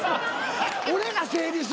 俺が整理するから。